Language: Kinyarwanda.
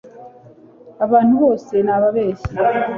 Abantu bose ni ababeshyi